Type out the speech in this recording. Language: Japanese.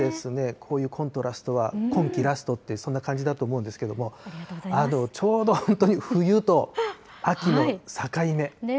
こういうコントラストは、今季ラストって、そんな感じだと思うんですけど、ちょうど本当に冬と秋の境目。